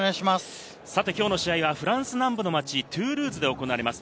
きょうの試合はフランス南部の町、トゥールーズで行われます。